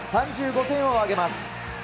３５点を挙げます。